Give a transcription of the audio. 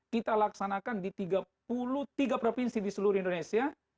kita laksanakan di tiga puluh tiga provinsi di seluruh indonesia